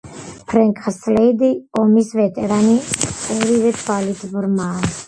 ფრენკ სლეიდი, ომის ვეტერანი, ორივე თვალით ბრმაა.